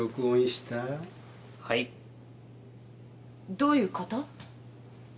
どういうこと？